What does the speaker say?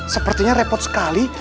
sepertinya repot sekali